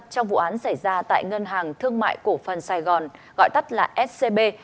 trong vụ án xảy ra tại ngân hàng thương mại cổ phần sài gòn gọi tắt là scb